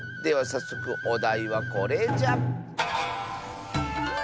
さっそくおだいはこれじゃ。